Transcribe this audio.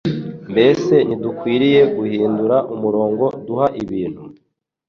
Mbese ntidukwiriye guhindura umurongo duha ibintu?